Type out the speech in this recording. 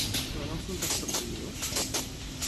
Es van enfrontar als perseguidors?